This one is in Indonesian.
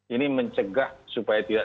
ini mencegah supaya tidak